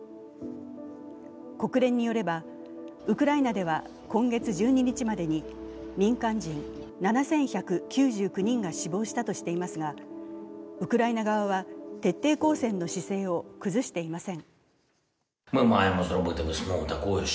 国連によれば、ウクライナでは今月１２日までに民間人７１９９人が死亡したとしていますがウクライナ側は徹底抗戦の姿勢を崩していません。